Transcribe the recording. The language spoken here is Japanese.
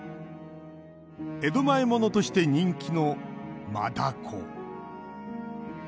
江戸前ものとして人気のマダコ。